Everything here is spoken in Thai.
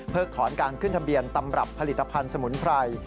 ถอนการขึ้นทะเบียนตำรับผลิตภัณฑ์สมุนไพร